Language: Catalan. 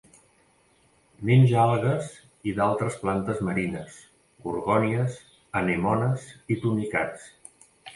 Menja algues i d'altres plantes marines, gorgònies, anemones i tunicats.